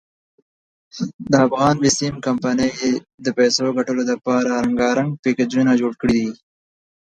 دافغان بېسیم کمپنۍ د پیسو دګټلو ډپاره رنګارنګ پېکېجونه جوړ کړي دي.